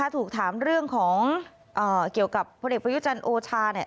ถูกถามเรื่องของเกี่ยวกับพลเอกประยุจันทร์โอชา